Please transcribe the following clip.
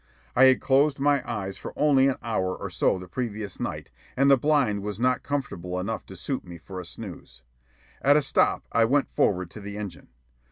I had closed my eyes for only an hour or so the previous night, and the blind was not comfortable enough to suit me for a snooze. At a stop, I went forward to the engine.